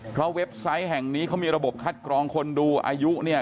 เพราะเว็บไซต์แห่งนี้เขามีระบบคัดกรองคนดูอายุเนี่ย